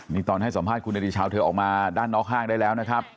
นี่ตอนให้สัมภาษณ์คุณนาฬิชาวเธอออกมาด้านนอกห้างได้แล้วนะครับ